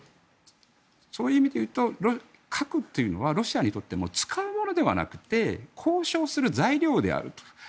そういう意味で言うと核というのはロシアにとっても使うものではなくて交渉する材料であると。